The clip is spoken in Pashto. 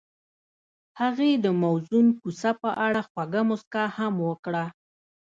هغې د موزون کوڅه په اړه خوږه موسکا هم وکړه.